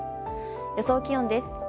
予想気温です。